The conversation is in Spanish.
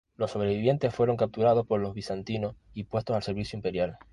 Los sobrevivientes fueron capturados por los bizantinos y puestos al servicio imperial.